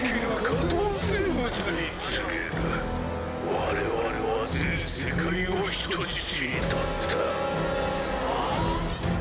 「我々は全世界を人質にとった」